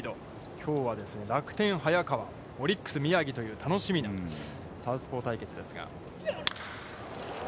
きょうは楽天、早川、オリックス、宮城という楽しみなサウスポー対決ですが。